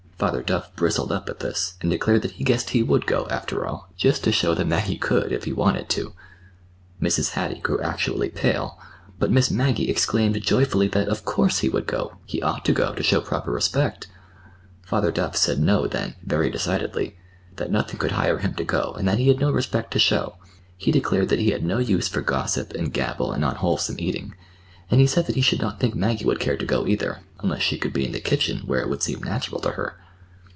Father Duff bristled up at this, and declared that he guessed he would go, after all, just to show them that he could, if he wanted to. Mrs. Hattie grew actually pale, but Miss Maggie exclaimed joyfully that, of course, he would go—he ought to go, to show proper respect! Father Duff said no then, very decidedly; that nothing could hire him to go, and that he had no respect to show. He declared that he had no use for gossip and gabble and unwholesome eating; and he said that he should not think Maggie would care to go, either,—unless she could be in the kitchen, where it would seem natural to her!